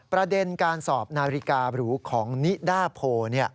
ประเด็นการสอบนาฬิการูของนิดาโพ